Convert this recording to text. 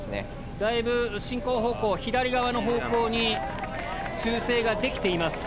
だいぶ進行方向左側の方向に修正が出来ています。